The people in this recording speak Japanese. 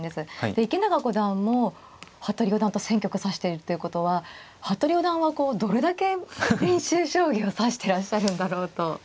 で池永五段も服部四段と１，０００局指しているっていうことは服部四段はどれだけ練習将棋を指してらっしゃるんだろうと。